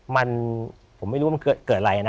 มันผมไม่รู้ว่ามันเกิดอะไรนะ